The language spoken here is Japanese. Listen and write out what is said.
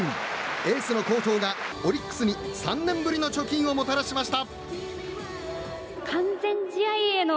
エースの好投がオリックスに３年ぶりの貯金をもたらしました。